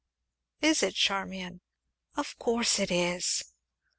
"Is it, Charmian?" "Of course it is."